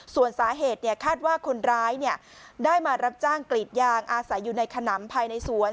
ส่วนสาเหตุคาดว่าคนร้ายได้มารับจ้างกรีดยางอาศัยอยู่ในขนำภายในสวน